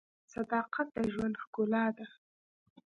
• صداقت د ژوند ښکلا ده.